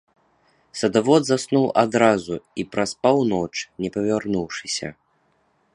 Садавод заснуў адразу і праспаў ноч, не павярнуўшыся.